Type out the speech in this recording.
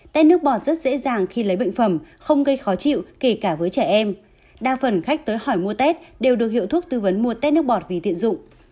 tet nước bọt rất dễ dàng khi lấy bệnh phẩm không gây khó chịu kể cả với trẻ em đa phần khách tới hỏi mua tết đều được hiệu thuốc tư vấn mua tét nước bọt vì tiện dụng